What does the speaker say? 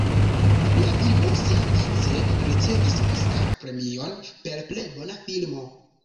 La filmo siavice ricevis Oskar-premion por plej bona filmo.